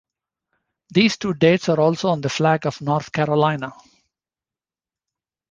These two dates are also on the flag of North Carolina.